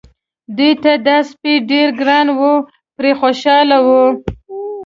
دوی ته دا سپی ډېر ګران و پرې خوشاله وو.